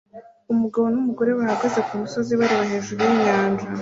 Umugabo numugore bahagaze kumusozi bareba hejuru yinyanja